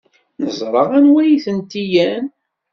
Neẓra anwa ay tent-ilan.